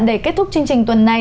để kết thúc chương trình tuần này